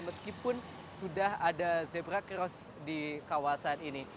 meskipun sudah ada zebra cross di kawasan ini